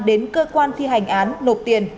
đến cơ quan thi hành án nộp tiền